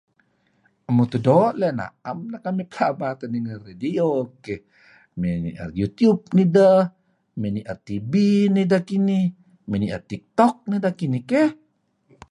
Mutuh doo' leh na'em kekamih pelaba ninger radio keh, mey ni'er youtube nideh, ni'er tb nideh kinih, mey ni'er tiktok nideh kinih keh.